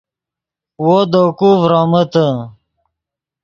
وو دے کوئے ڤرومیتے